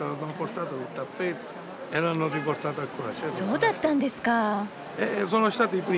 そうだったんですか。